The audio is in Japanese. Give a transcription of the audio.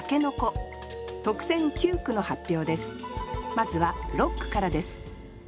まずは六句からです